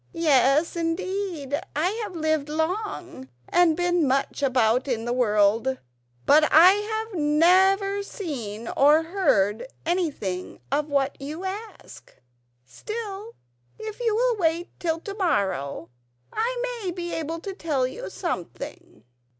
"Yes, indeed, I've lived long and been much about in the world, but I have never seen or heard anything of what you ask. Still, if you will wait till to morrow I may be able to tell you something."